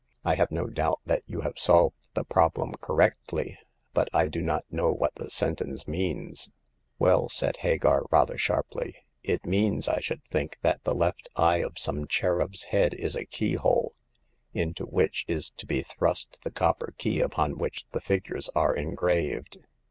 " I have no doubt that you have solved the problem correctly ; but / do not know what the sentence means." The Fifth Customer. 147 "Well," said Hagar, rather sharply, "it means, I should think, that the left eye of some cherub's head is a keyhole, into which is to be thrust the copper key upon which the figures are engraved.